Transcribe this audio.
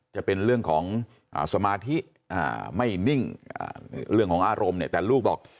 จะเป็นเรื่องของสมาธิไม่นิ่งเรื่องของอารมณ์เนี่ยแต่ลูกบอก